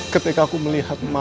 ketika aku melihat mama